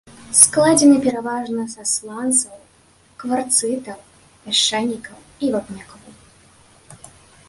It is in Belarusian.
Складзены пераважна са сланцаў, кварцытаў, пясчанікаў і вапнякоў.